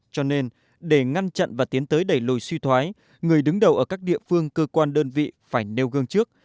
cho nên để ngăn chặn và tiến tới đẩy lùi suy thoái người đứng đầu ở các địa phương cơ quan đơn vị phải nêu gương trước